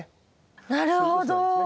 なるほど。